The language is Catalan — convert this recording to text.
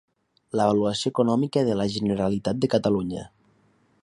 L'avaluació econòmica a la Generalitat de Catalunya.